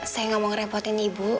saya gak mau ngerepotin ibu